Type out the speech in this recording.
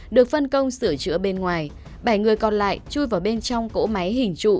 được phân công sửa chữa bên ngoài bảy người còn lại chui vào bên trong cỗ máy hình trụ